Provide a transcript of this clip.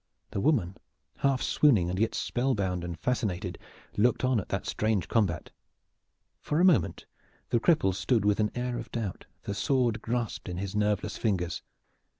The woman, half swooning and yet spellbound and fascinated, looked on at that strange combat. For a moment the cripple stood with an air of doubt, the sword grasped in his nerveless fingers.